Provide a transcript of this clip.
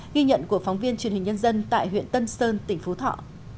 ghi nhận của phóng viên truyền hình nhân dân tại huyện tân sơn tỉnh phú thọ